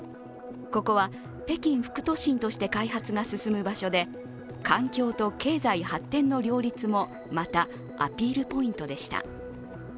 ここは北京副都心として開発が進む場所で環境と経済発展の両立も、またアピールポイントでした。